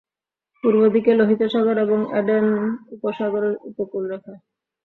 পূর্ব দিকে লোহিত সাগর এবং এডেন উপসাগরের উপকূলরেখা।